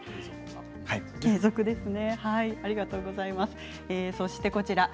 継続ですね。